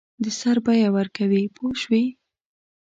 د سر بیه ورکوي پوه شوې!.